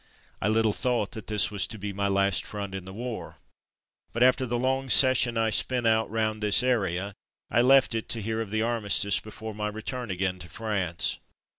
I little thought that this was to be my last front in the war; but after the long session I spent out round this area, I left it to hear of the armistice before my return again to France.